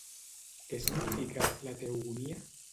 Què significa La Teogonia?